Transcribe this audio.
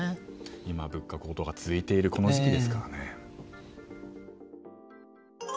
今、物価高騰が続いているこの時期ですからね。